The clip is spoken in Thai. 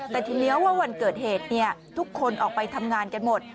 แต่ทีนี้ว่าวันเกิดเหตุทุกคนออกไปทำงานกันหมด